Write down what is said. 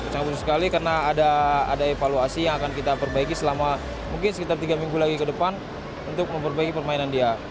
sangat penting sekali karena ada evaluasi yang akan kita perbaiki selama mungkin sekitar tiga minggu lagi ke depan untuk memperbaiki permainan dia